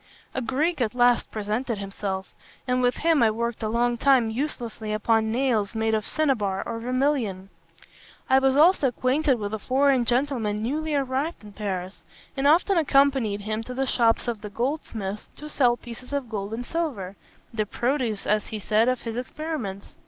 "A Greek at last presented himself; and with him I worked a long time uselessly upon nails made of cinnabar or vermilion. I was also acquainted with a foreign gentleman newly arrived in Paris, and often accompanied him to the shops of the goldsmiths to sell pieces of gold and silver, the produce, as he said, of his experiments.